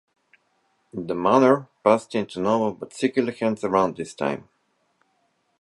The manor passed into noble but secular hands around this time.